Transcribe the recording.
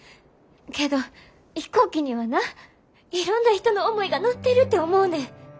けど飛行機にはないろんな人の思いが乗ってるて思うねん。